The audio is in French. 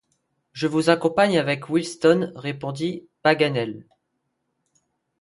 Je vous accompagne avec Wilson, répondit Paganel.